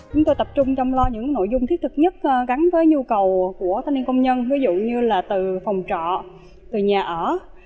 chúng tôi tập trung trong lo những nội dung thiết thực nhất gắn với nhu cầu của thanh niên công nhân ví dụ như là từ phòng trọ từ nhà ở